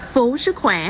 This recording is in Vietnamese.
phố sức khỏe